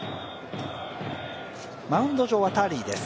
マウンド上はターリーです。